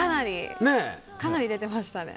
かなり出てましたね。